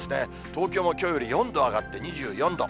東京もきょうより４度上がって２４度。